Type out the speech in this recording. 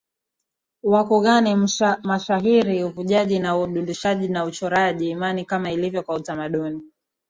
wa kughani mashahiri uvunjaji na udundishaji na uchoraji Imani Kama ilivyo kwa tamaduni